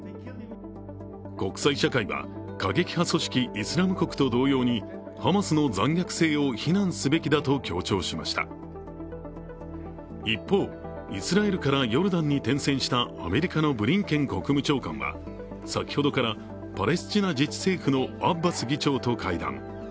国際社会は、過激派組織イスラム国と同様にハマスの残虐性を非難すべきだと強調しました一方、イスラエルからヨルダンに転戦したアメリカのブリンケン国務長官は先ほどからパレスチナ自治政府のアッバス議長と会談。